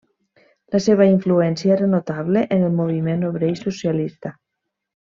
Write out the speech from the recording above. La seva influència era notable en el moviment obrer i socialista.